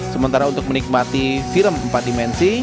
sementara untuk menikmati film empat dimensi